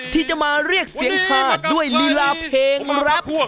ที่จะมาเรียกเสียงหาด้วยลีลาเพลงรัก